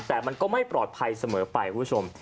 แต่มันก็ไม่ปลอดภัยเสมอไปคุณผู้ชม